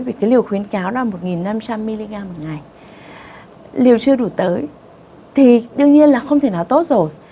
vì cái liều khuyến cáo là một năm trăm linh mg một ngày liều chưa đủ tới thì đương nhiên là không thể nào tốt rồi